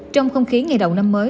trong không khí ngày đầu năm mới